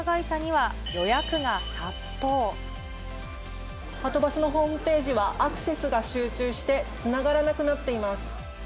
はとバスのホームページは、アクセスが集中して、つながらなくなっています。